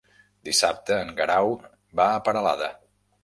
Dissabte en Guerau va a Peralada.